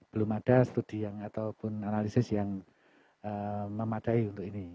belum ada studi yang ataupun analisis yang memadai untuk ini